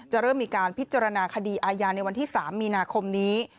เริ่มมีการพิจารณาคดีอาญาในวันที่๓มีนาคมนี้